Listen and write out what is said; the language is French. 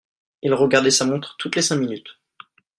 Il regardait sa montre toutes les cinq minutes.